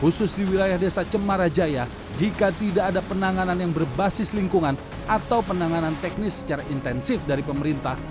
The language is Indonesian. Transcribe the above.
khusus di wilayah desa cemarajaya jika tidak ada penanganan yang berbasis lingkungan atau penanganan teknis secara intensif dari pemerintah